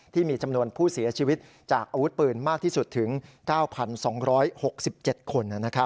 ที่มีจำนวนผู้เสียชีวิตจากอาวุธปืนมากที่สุดถึง๙๒๖๗คน